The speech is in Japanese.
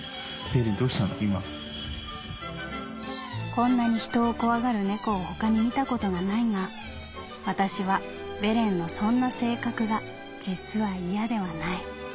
「こんなに人を怖がる猫を他に見たことがないがわたしはベレンのそんな性格が実は嫌ではない。